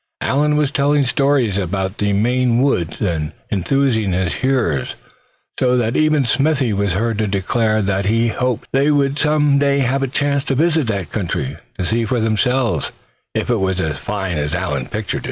Allan was telling stories about the Maine woods, and enthusing his hearers, so that even Smithy was heard to declare that he hoped they would some day have a chance to visit that country, to see for themselves if it was as fine as Allan pictured.